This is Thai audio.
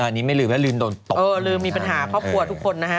อันนี้ไม่ลืมแล้วลืมโดนตบเออลืมมีปัญหาครอบครัวทุกคนนะฮะ